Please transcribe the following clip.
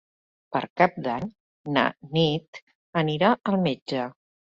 Per Cap d'Any na Nit anirà al metge.